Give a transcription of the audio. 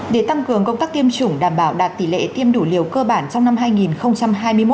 để tăng cường công tác tiêm chủng đảm bảo đạt tỷ lệ tiêm đủ liều cơ bản trong năm hai nghìn hai mươi một